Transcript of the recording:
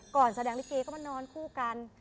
แสดงลิเกก็มานอนคู่กัน